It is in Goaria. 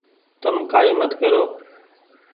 تم ڪآئي مت ڪرو ۔